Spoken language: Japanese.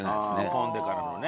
ポン・デからもね。